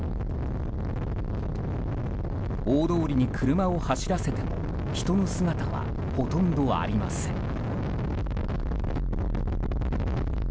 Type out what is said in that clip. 大通りに車を走らせても人の姿は、ほとんどありません。